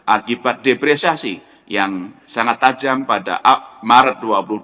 akibat depresiasi yang sangat tajam pada maret dua ribu dua puluh